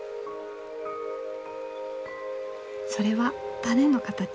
それは種の形。